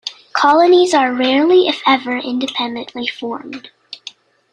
Colonies are rarely, if ever, independently formed.